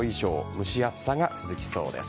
蒸し暑さが続きそうです。